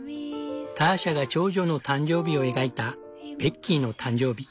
ターシャが長女の誕生日を描いた「ベッキーの誕生日」。